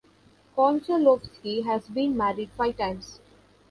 Konchalovsky has been married five times.